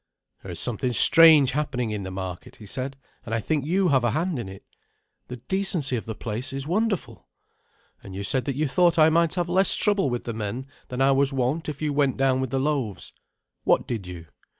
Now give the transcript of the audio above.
"There is something strange happening in the market," he said, "and I think that you have a hand in it. The decency of the place is wonderful, and you said that you thought I might have less trouble with the men than I was wont if you went down with the loaves. What did you?